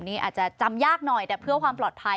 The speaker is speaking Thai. นี่อาจจะจำยากหน่อยแต่เพื่อความปลอดภัย